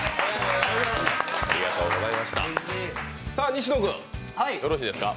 西野君、よろしいですか。